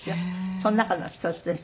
その中の一つです。